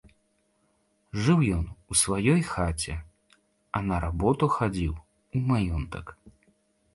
Жыў ён у сваёй хаце, а на работу хадзіў у маёнтак.